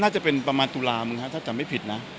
น่าจะเป็นประมาณตูระถ้าจะไม่ผิดนะ